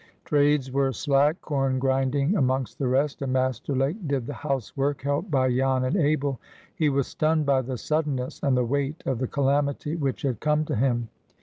Trades were slack, corn grinding amongst the rest, and Master Lake did the housework, helped by Jan and Abel. He was stunned by the suddenness and the weight of the calamity which had come to him.